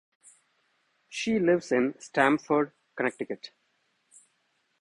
She lives in Stamford, Connecticut.